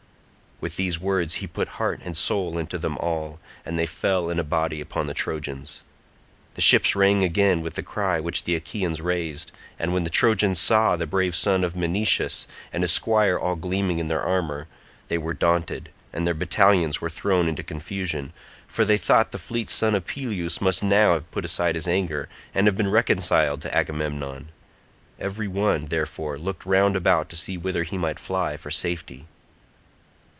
With these words he put heart and soul into them all, and they fell in a body upon the Trojans. The ships rang again with the cry which the Achaeans raised, and when the Trojans saw the brave son of Menoetius and his squire all gleaming in their armour, they were daunted and their battalions were thrown into confusion, for they thought the fleet son of Peleus must now have put aside his anger, and have been reconciled to Agamemnon; every one, therefore, looked round about to see whither he might fly for safety.